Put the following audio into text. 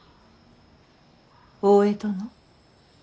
大江殿。